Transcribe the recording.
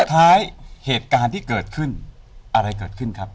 ท้ายเหตุการณ์ที่เกิดขึ้นอะไรเกิดขึ้นครับ